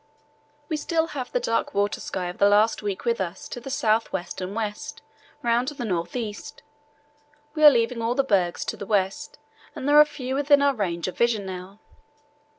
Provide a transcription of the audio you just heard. "We still have the dark water sky of the last week with us to the south west and west, round to the north east. We are leaving all the bergs to the west and there are few within our range of vision now.